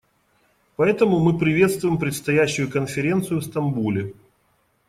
Поэтому мы приветствуем предстоящую конференцию в Стамбуле.